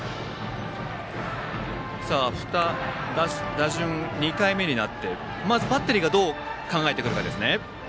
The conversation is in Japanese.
打順２回目になってまずバッテリーがどう考えてくるかですね。